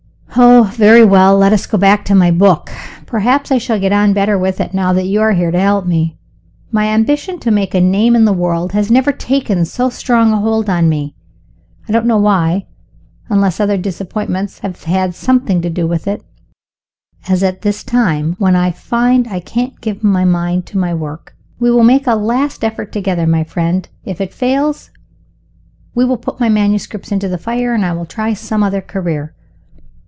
"Oh, very well. Let us go back to my book. Perhaps I shall get on better with it now you are here to help me. My ambition to make a name in the world has never taken so strong a hold on me (I don't know why, unless other disappointments have had something to do with it) as at this time, when I find I can't give my mind to my work. We will make a last effort together, my friend! If it fails, we will put my manuscripts into the fire, and I will try some other career.